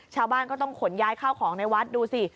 ชาวบ้านก็ต้องขนย้ายข้าวของในวัดดูสิ